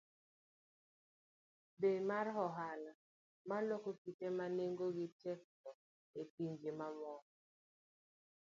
B. mar Ohala mar loko kite ma nengogi tekgo e pinje mamoko,